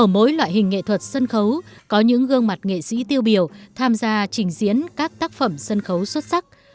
mỗi loại hình nghệ thuật sân khấu có những gương mặt nghệ sĩ tiêu biểu tham gia trình diễn các tác phẩm sân khấu xuất sắc